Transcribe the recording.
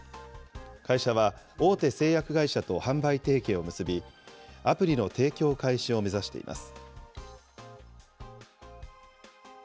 会社は大手製薬会社と販売提携を結び、アプリの提供開始を目指しています。